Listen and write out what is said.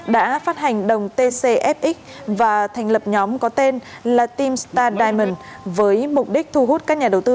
đã phát hành đồng tcf và thành lập nhóm có tên là tim star diamond với mục đích thu hút các nhà đầu tư